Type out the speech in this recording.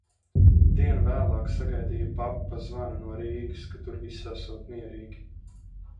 Dienu vēlāk sagaidīja papa zvanu no Rīgas, ka tur viss esot mierīgi.